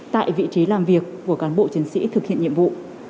tại vị trí làm việc của cán bộ chiến sĩ thực hiện nhiệm vụ